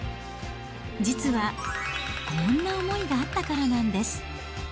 実は、こんな思いがあったからなんです。